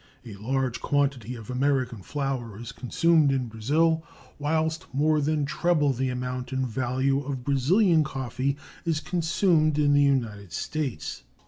A large quantity of American flour is consumed in Brazil, whilst more than treble the amount in value of Brazilian coffee is consumed in the United States.